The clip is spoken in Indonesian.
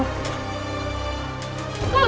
kau kenal amu kemarugul